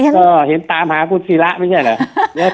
ก็เห็นตามหาคุณศิระไม่ใช่เหรอ